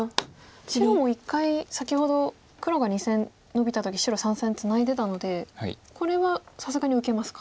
白も一回先ほど黒が２線ノビた時白３線ツナいでたのでこれはさすがに受けますか。